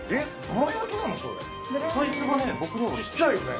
ちっちゃいよね？